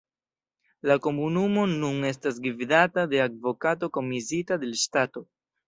La komunumo nun estas gvidata de advokato komisiita de la ŝtato.